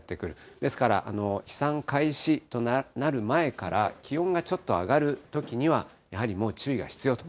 ですから飛散開始となる前から、気温がちょっと上がるときには、やはりもう注意が必要と。